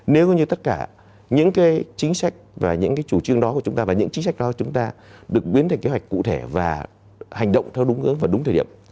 nếu như tất cả những cái chính sách và những cái chủ trương đó của chúng ta và những chính sách đó chúng ta được biến thành kế hoạch cụ thể và hành động theo đúng hướng vào đúng thời điểm